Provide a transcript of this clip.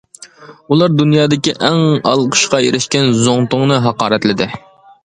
ئۇلار دۇنيادىكى ئەڭ ئالقىشقا ئېرىشكەن زۇڭتۇڭنى ھاقارەتلىدى.